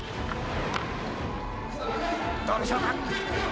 どうでしょうか？